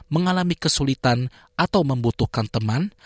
mengalami kesulitan atau membutuhkan teman